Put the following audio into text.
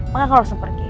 maka aku langsung pergi